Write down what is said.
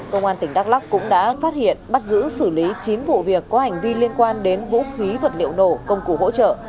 công an tỉnh đắk lắc cũng đã phát hiện bắt giữ xử lý chín vụ việc có hành vi liên quan đến vũ khí vật liệu nổ công cụ hỗ trợ